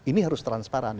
ini harus transparan